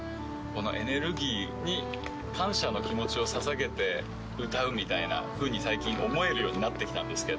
このエネルギーに感謝の気持ちをささげて歌うみたいなふうに最近思えるようになってきたんですが。